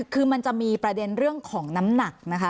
คือมันจะมีประเด็นเรื่องของน้ำหนักนะคะ